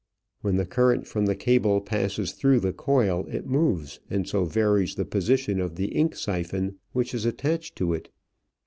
When the current from the cable passes through the coil it moves, and so varies the position of the ink siphon which is attached to it.